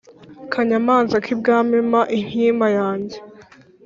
kanyamanza k’ibwami mpa inkima yanjye